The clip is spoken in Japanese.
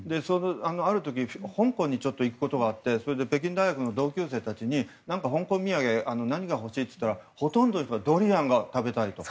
ある時香港にちょっと行く時があって北京大学の同級生たちに香港土産、何が欲しい？って聞いたらほとんどの人がドリアンが食べたいと。